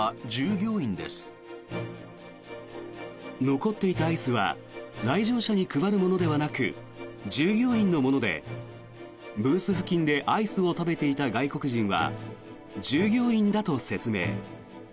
残っていたアイスは来場者に配るものではなく従業員のものでブース付近でアイスを食べていた外国人は従業員だと説明。